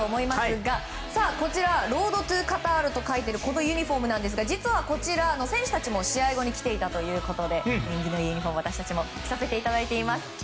ロードトゥカタールと書いてあるこのユニホームですが実はこちら選手たちも試合後に着ていたということで縁起のいいユニホームを私たちも着させていただいています。